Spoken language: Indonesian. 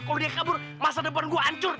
kalau dia kabur masa depan gue hancur